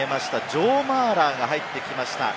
ジョー・マーラーが入ってきました。